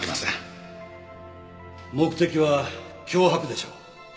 目的は脅迫でしょう。